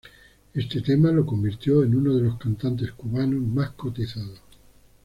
Este tema lo convirtió en uno de los cantantes cubanos más cotizados.